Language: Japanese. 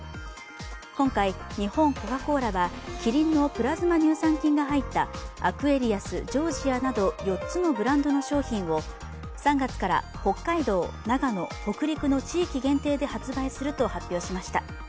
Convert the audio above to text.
今回、日本コカ・コーラはキリンのプラズマ乳酸菌が入ったアクエリアス、ジョージアなど４つのブランドの商品を３月から北海道、長野、北陸の地域限定で発売すると発表しました。